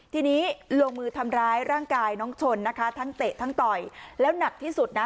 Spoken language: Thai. ทีนี้ลงมือทำร้ายร่างกายน้องชนนะคะทั้งเตะทั้งต่อยแล้วหนักที่สุดนะ